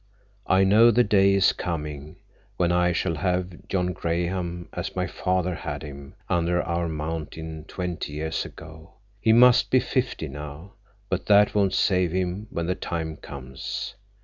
I know the day is coming when I shall have John Graham as my father had him under our mountain twenty years ago. He must be fifty now. But that won't save him when the time comes.